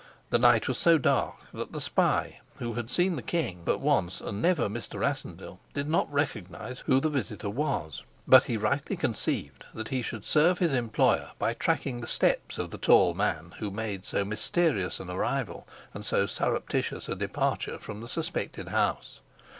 The night was so dark that the spy, who had seen the king but once and never Mr. Rassendyll, did not recognize who the visitor was, but he rightly conceived that he should serve his employer by tracking the steps of the tall man who made so mysterious an arrival and so surreptitious a departure from the suspected house.